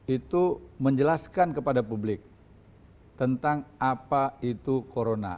itu menjelaskan kepada publik tentang apa itu corona